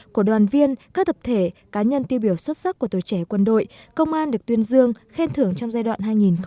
của đoàn viên các tập thể cá nhân tiêu biểu xuất sắc của tuổi trẻ quân đội công an được tuyên dương khen thưởng trong giai đoạn hai nghìn một mươi sáu hai nghìn hai mươi